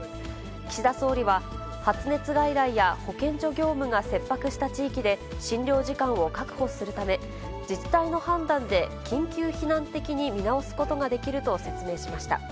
岸田総理は、発熱外来や保健所業務が切迫した地域で診療時間を確保するため、自治体の判断で緊急避難的に見直すことができると説明しました。